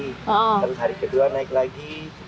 terus hari kedua naik lagi tiga ratus